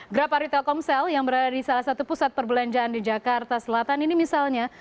grapa ritelkomsel yang berada di salah satu pusat perbelanjaan di jakarta selatan ini misalnya